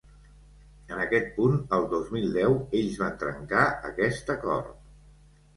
En aquest punt, el dos mil deu, ells van trencar aquest acord.